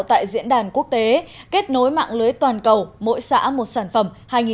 tại diễn đàn quốc tế kết nối mạng lưới toàn cầu mỗi xã một sản phẩm hai nghìn hai mươi